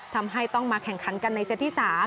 ทำให้ต้องมาแข่งขันกันในเซตที่๓